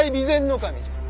守じゃ。